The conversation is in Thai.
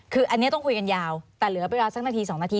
คืออันนี้ต้องคุยกันยาวแต่เหลือเวลาสักนาที๒นาที